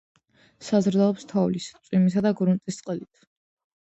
საზრდოობს თოვლის, წვიმისა და გრუნტის წყლით.